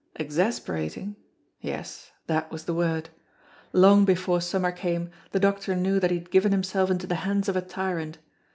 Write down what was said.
Exasperating? Yes, that was the word. Long before summer came, the doctor knew that he had given himself into the hands of a tyrant.